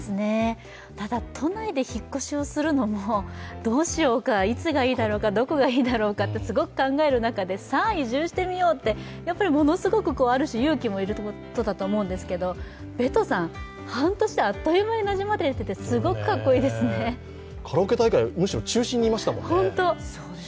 ただ、都内で引っ越しをするのもどうしようか、いつがいいだろうか、どこがいいだろうかとすごく考える中ですごく考える中で、さあ移住してみようってものすごくある種、勇気もいると思うんですけどベトさん、半年であっという間になじまれてカラオケ大会、むしろ中心にいましたもんね。